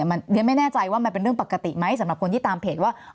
มันเรียนไม่แน่ใจว่ามันเป็นเรื่องปกติไหมสำหรับคนที่ตามเพจว่า